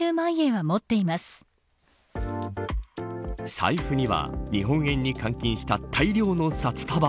財布には日本円に換金した大量の札束。